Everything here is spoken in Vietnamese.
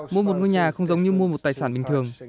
mua một ngôi nhà không giống như mua một tài sản bình thường